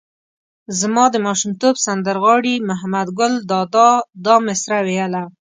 زما د ماشومتوب سندر غاړي محمد ګل دادا دا مسره ویله.